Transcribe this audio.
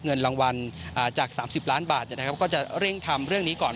เงินรางวัลจาก๓๐ล้านบาทก็จะเร่งทำเรื่องนี้ก่อน